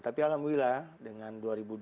tapi alhamdulillah dengan dua ribu dua puluh